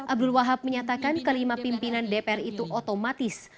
abdul wahab menyatakan kelima pimpinan dpr itu otomatis